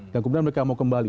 dan kemudian mereka mau kembali